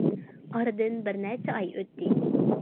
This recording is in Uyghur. ئارىدىن بىر نەچچە ئاي ئۆتتى.